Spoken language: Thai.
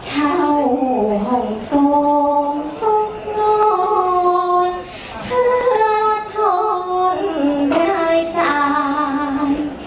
เจ้าห่วงโทรงสุขโน้นเพื่อทนได้จ่าย